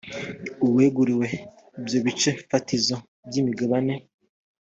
uweguriwe ibyo bice fatizo by imigabane